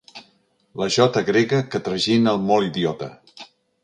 La jota grega que tragina el molt idiota.